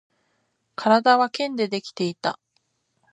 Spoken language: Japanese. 体は剣でできていた